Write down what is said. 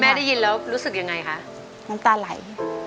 ได้ยินแล้วรู้สึกยังไงคะน้ำตาไหล